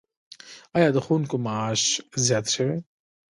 آیا د ښوونکو معاش زیات شوی؟